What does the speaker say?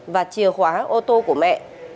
và chia khóa ô tô của mẹ